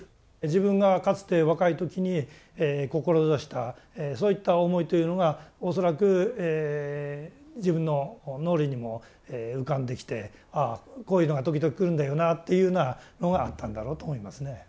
自分がかつて若い時に志したそういった思いというのが恐らく自分の脳裏にも浮かんできてああこういうのが時々来るんだよなというようなのがあったんだろうと思いますね。